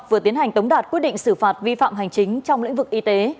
vừa tiến hành tống đạt quyết định xử phạt vi phạm hành chính trong lĩnh vực y tế